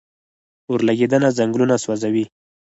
اورلګیدنه ځنګلونه سوځوي